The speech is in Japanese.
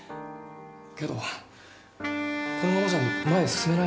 けどこのままじゃ前へ進めないんだ。